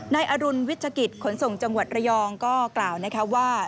นายอรุณวิชกิจขนส่งจังหวัดระยองก็กล่าวนะคะว่า